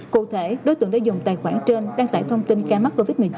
cụ thể đối tượng đã dùng tài khoản trên đăng tải thông tin ca mắc covid một mươi chín